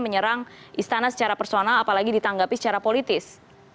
menyerang istana secara personal apalagi ditanggapi secara politis